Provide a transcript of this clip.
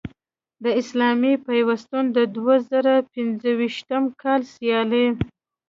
د اسلامي پیوستون د دوه زره پنځویشتم کال سیالۍ